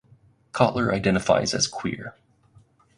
Cotler identifies as queer.